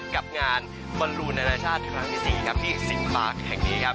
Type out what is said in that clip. กับงานบอลลูนานาชาติครั้งที่๔ครับที่ซิมปาร์คแห่งนี้ครับ